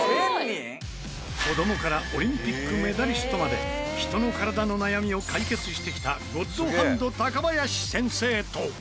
子どもからオリンピックメダリストまで人の体の悩みを解決してきたゴッドハンド高林先生と。